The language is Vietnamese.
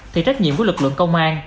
thì trách nhiệm của lực lượng công an